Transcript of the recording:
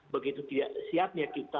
begitu siapnya kita